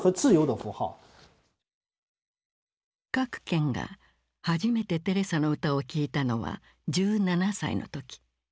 郭健が初めてテレサの歌を聴いたのは１７歳の時。